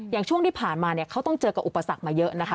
อย่างช่วงที่ผ่านมาเนี่ยเขาต้องเจอกับอุปสรรคมาเยอะนะคะ